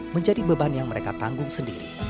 menjadi beban yang mereka tanggung sendiri